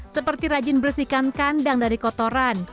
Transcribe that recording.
seperti rajin bersihkan kandang dari kotoran